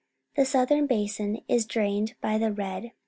The southern basin is drained by the Red.